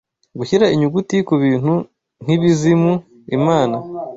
Gushyira inyuguti kubintu nkibizimu, imana